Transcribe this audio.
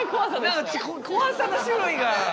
何か怖さの種類が。